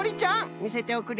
みせておくれ。